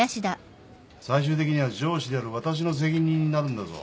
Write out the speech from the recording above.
最終的には上司である私の責任になるんだぞ。